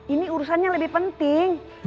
ini urusannya lebih penting